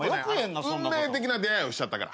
運命的な出会いをしちゃったから。